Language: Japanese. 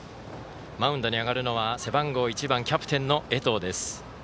マウンドに上がるのは背番号１番キャプテンの江藤です。